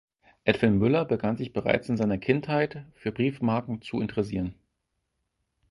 Edwin Müller begann sich bereits in seiner Kindheit für Briefmarken zu interessieren.